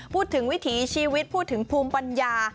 พูดถึงวิถีชีวิตพูดถึงภูมิปัญญา